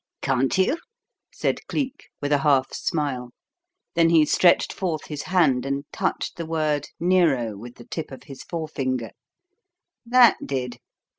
"Can't you?" said Cleek, with a half smile. Then he stretched forth his hand and touched the word "Nero" with the tip of his forefinger. "That did.